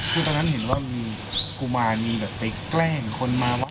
คือตอนนั้นเห็นว่ามีกุมารมีแบบไปแกล้งคนมาว่า